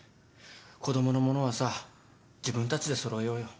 子供のものはさ自分たちで揃えようよ。